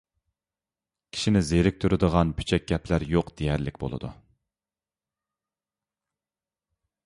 كىشىنى زېرىكتۈرىدىغان پۈچەك گەپلەر يوق دېيەرلىك بولىدۇ.